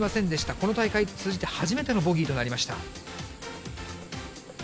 この大会通じて初めてのボギーとなりました。